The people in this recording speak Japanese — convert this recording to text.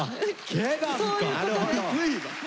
そういうことね。